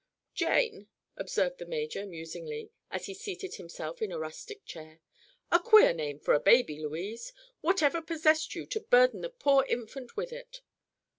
"Jane," observed the major, musingly, as he seated himself in a rustic chair. "A queer name for a baby, Louise. Whatever possessed you to burden the poor infant with it?"